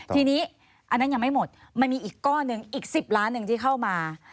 ทีนี้อันนั้นยังไม่หมดมันมีอีกก้อนหนึ่งอีก๑๐ล้านหนึ่งที่เข้ามา